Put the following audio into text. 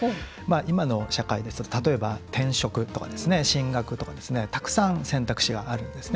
今の社会ですと例えば転職とか進学とかたくさん選択肢があるんですね。